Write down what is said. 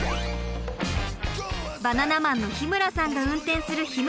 バナナマンの日村さんが運転するひむ